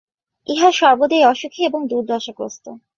ইহা সর্বদাই অসুখী এবং দুর্দশাগ্রস্ত।